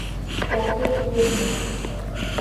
Ок керт лийын мо?